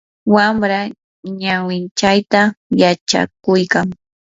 wamra ñawinchayta yachakuykan.